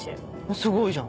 すごいじゃん。